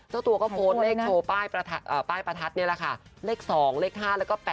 เจ้าตัวก็โพสต์เลขโชว์ป้ายประทัดนี่แหละค่ะเลข๒เลข๕แล้วก็๘๘